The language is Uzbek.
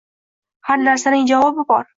Har narsaning javobi bor